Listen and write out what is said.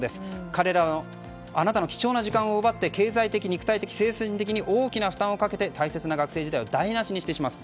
彼らはあなたの貴重な時間を奪い経済的・肉体的・精神的に大きな負担をかけ大切な時間を台無しにします。